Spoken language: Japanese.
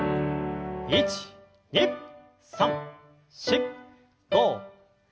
１２３４５６７８。